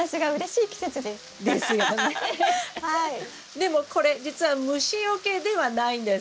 でもこれ実は虫よけではないんです。